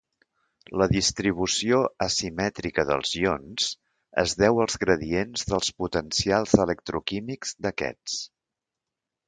La distribució asimètrica dels ions es deu als gradients dels potencials electroquímics d'aquests.